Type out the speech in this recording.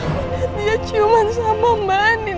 aku liat dia ciuman sama mbak andin